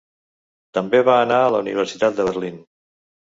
També va anar a la Universitat de Berlín.